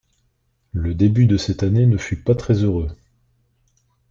Le début de cette année ne fut pas très heureux.